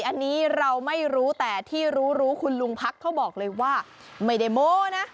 อันนี้เราไม่รู้แต่ที่รู้รู้คุณลุงพักเขาบอกเลยว่าไม่ได้โม้นะ